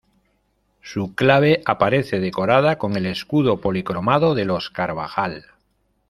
Su clave aparece decorada con el escudo policromado de los Carvajal.